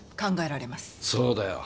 そうだよ。